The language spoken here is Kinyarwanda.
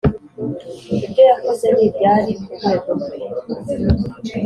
Ibyo yakoze ni iby’abari ku rwego rwe